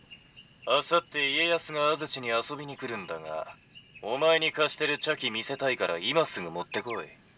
「あさって家康が安土に遊びに来るんだがお前に貸してる茶器見せたいから今すぐ持ってこい」。